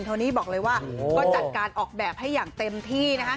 โนี่บอกเลยว่าก็จัดการออกแบบให้อย่างเต็มที่นะคะ